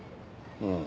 うん。